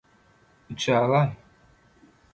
– Üçe alaý.